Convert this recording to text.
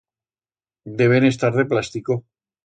Deben estar de plastico.